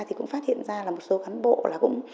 thì cũng phát hiện ra là một số cán bộ